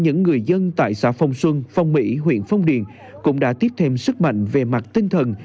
những người dân tại xã phong xuân phong mỹ huyện phong điền cũng đã tiếp thêm sức mạnh về mặt tinh thần